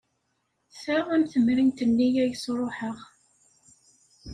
Ta am temrint-nni ay sṛuḥeɣ.